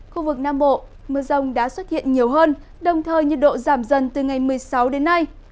khu vực nam bộ mưa rông đã xuất hiện nhiều hơn đồng thời nhiệt độ giảm dần từ ngày một mươi sáu đến nay